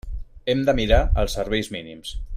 Hem de mirar els serveis mínims.